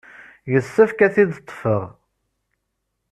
Yessefk ad t-id-ṭṭfeɣ.